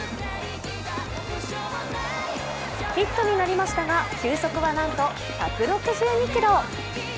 ヒットになりましたが球速はなんと１６２キロ。